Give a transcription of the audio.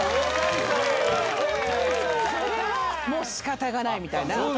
それはもうしかたがないみたいな。